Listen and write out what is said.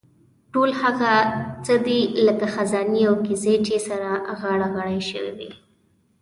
ټول هغه څه دي لکه خزانې او کیسې چې سره غاړه غړۍ شوې وي.